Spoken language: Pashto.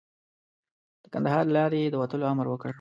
د کندهار له لارې یې د وتلو امر وکړ.